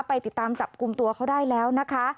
ไปติดตามจับกลุ่มตัวเขาได้แล้วนะคะ